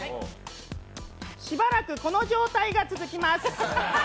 しばらくこの状態が続きます。